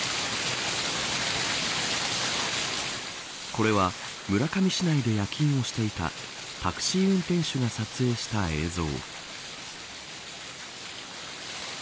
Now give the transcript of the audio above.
これは村上市内で夜勤をしていたタクシー運転手が撮影した映像。